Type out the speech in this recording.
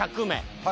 はい。